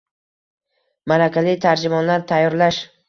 malakali tarjimonlar tayyorlash